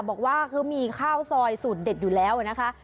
บอกว่าเขามีข้าวซอยสูตรเด็ดอยู่แล้วนะคะ